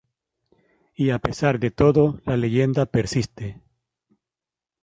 Y a pesar de todo la leyenda persiste.